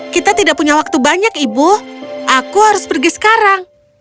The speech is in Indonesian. kita tidak punya waktu banyak ibu aku harus pergi sekarang